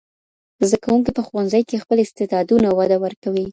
زدهکوونکي په ښوونځي کي خپل استعدادونه وده ورکوي.